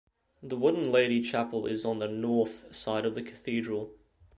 The wooden Lady Chapel is on the "north" side of the cathedral.